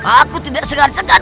aku tidak segan segan